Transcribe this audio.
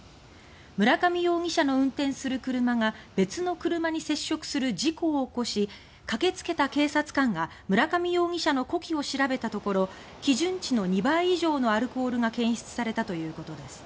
村上容疑者の運転する車が別の車に接触する事故を起こし駆け付けた警察官が村上容疑者の呼気を調べたところ基準値の２倍以上のアルコールが検出されたということです。